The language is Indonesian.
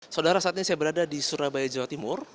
saudara saat ini saya berada di surabaya jawa timur